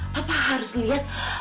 papa harus liat